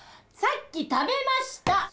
さっき食べました！